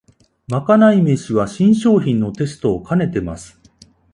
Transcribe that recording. まかない飯は新商品のテストをかねてます